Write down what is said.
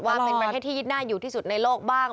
ว่าเป็นประเทศที่ยึดหน้าอยู่ที่สุดในโลกบ้าง